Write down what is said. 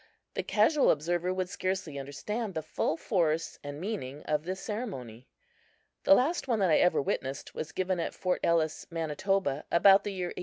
The casual observer would scarcely understand the full force and meaning of this ceremony. The last one that I ever witnessed was given at Fort Ellis, Manitoba, about the year 1871.